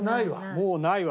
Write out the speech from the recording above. もうないわ。